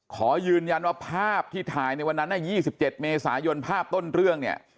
ขอยืนยันว่าภาพที่ถ่ายในวันนั้น๒๗เมษายนภาพต้นเรื่องเนี่ย